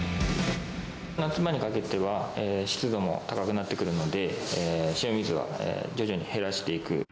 夏前にかけては、湿度も高くなってくるので、塩水は徐々に減らしていく。